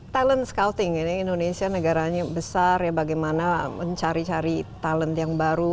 talent scouting ini indonesia negaranya besar ya bagaimana mencari cari talent yang baru